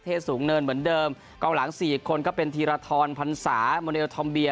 สูงเนินเหมือนเดิมกองหลังสี่คนก็เป็นธีรทรพันศาโมเนลทอมเบีย